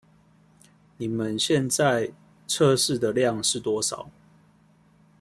你們現在測試的量是多少？